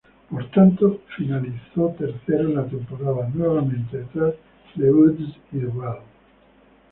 Por tanto, finalizó tercero en la temporada, nuevamente detrás de Woods y Duval.